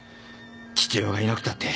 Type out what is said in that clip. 父親がいなくたって。